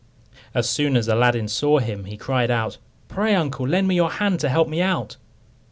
As soon as Aladdin saw him, he cried out, "Pray, uncle, lend me your hand, to help me out."